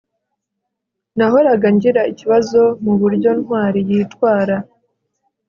nahoraga ngira ikibazo muburyo ntwali yitwara